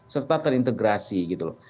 serta terintegrasi gitu loh